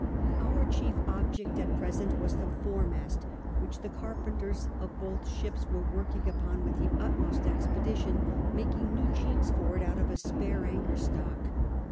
Our chief object at present was the foremast, which the 04 irpentcrs of both ships wei'e working upon with the utmost expedition, making new cliceks for it out of a spare anchor stock.